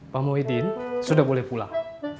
pak muhyiddin sudah boleh pulang